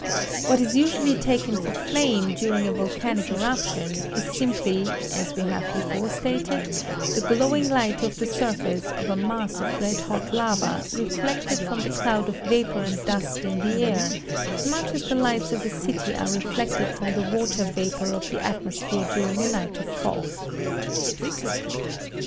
What is usually taken for flame during a volcanic eruption is simply, as we have before stated, the glowing light of the surface of a mass of red hot lava reflected from the cloud of vapor and dust in the air, much as the lights of a city are reflected from the water vapor of the atmosphere during a night of fog.